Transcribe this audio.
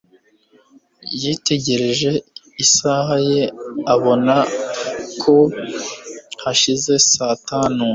Yitegereje isaha ye abona ko hashize saa tanu